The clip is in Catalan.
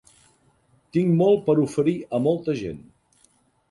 Tinc molt per oferir a molta gent.